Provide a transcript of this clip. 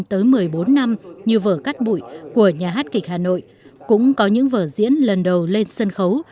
tới một mươi bốn năm như vợ cát bụi của nhà hát kịch hà nội cũng có những vợ diễn lần đầu lên sân khấu